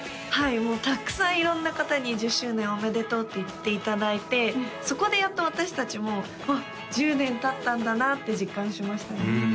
はいもうたくさん色んな方に１０周年おめでとうって言っていただいてそこでやっと私達も「あっ１０年たったんだな」って実感しましたね